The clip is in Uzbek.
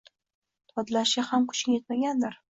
Dodlashga ham kuching yetmagandir.